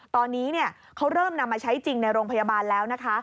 ตอนนี้เขาเริ่มนำมาใช้จริงในโรงพยาบาลแล้วนะคะ